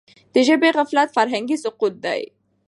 د ژبي غفلت فرهنګي سقوط دی.